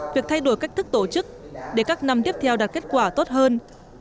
việc thay đổi cách thức tổ chức để các năm tiếp theo đạt kết quả tốt hơn